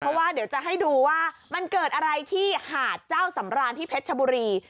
เพราะว่าเดี๋ยวจะให้ดูว่ามันเกิดอะไรที่หาดเจ้าสำรานที่เพชรชบุรี